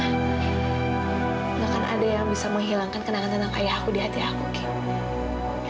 gak akan ada yang bisa menghilangkan kenangan tentang ayah aku di hati aku kim